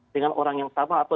dengan orang yang sama atau